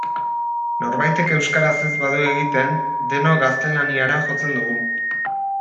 Norbaitek euskaraz ez badu egiten denok gaztelaniara jotzen dugu.